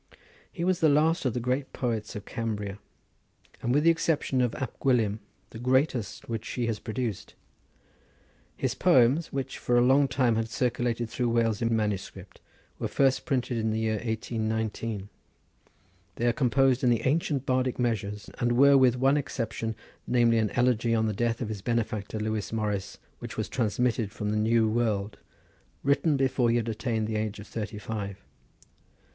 He was the last of the great poets of Cambria, and with the exception of Ab Gwilym, the greatest which she has produced. His poems which for a long time had circulated through Wales in manuscript were first printed in the year 1819. They are composed in the ancient Bardic measures, and were with one exception, namely an elegy on the death of his benefactor Lewis Morris, which was transmitted from the New World, written before he had attained the age of thirty five.